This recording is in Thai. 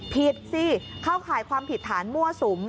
ผิดสิเข้าข่ายความผิดฐานมั่วสุม